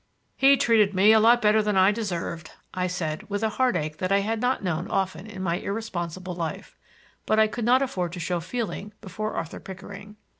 "He treated me a lot better than I deserved," I said, with a heartache that I had not known often in my irresponsible life; but I could not afford to show feeling before Arthur Pickering.